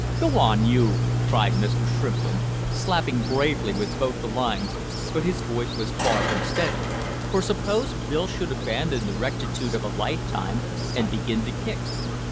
"Go on, you!" cried Mr. Shrimplin, slapping bravely with both the lines, but his voice was far from steady, for suppose Bill should abandon the rectitude of a lifetime and begin to kick.